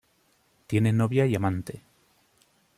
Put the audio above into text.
Tiene novia y amante.